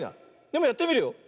でもやってみるよ。